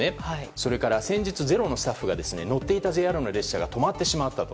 それから先日、「ｚｅｒｏ」のスタッフが乗っていたＪＲの電車が止まってしまったと。